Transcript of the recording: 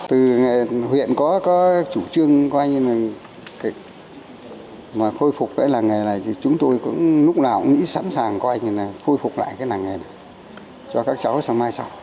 từ huyện có chủ trương coi như là khôi phục cái làng nghề này thì chúng tôi cũng lúc nào cũng nghĩ sẵn sàng coi thì là khôi phục lại cái làng nghề này cho các cháu sau mai sau